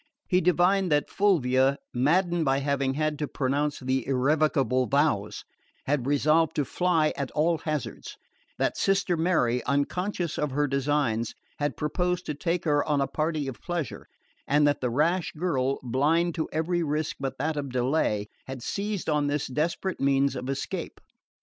He divined that Fulvia, maddened by having had to pronounce the irrevocable vows, had resolved to fly at all hazards; that Sister Mary, unconscious of her designs, had proposed to take her on a party of pleasure, and that the rash girl, blind to every risk but that of delay, had seized on this desperate means of escape.